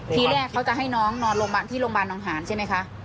ที่แรกเขาจะให้น้องนอนที่โรงพยาบาลน้องหาญใช่ไหมคะ